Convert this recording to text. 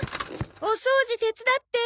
お掃除手伝って。